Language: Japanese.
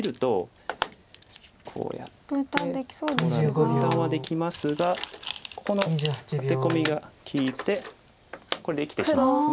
分断はできますがここのアテコミが利いてこれで生きてしまいます。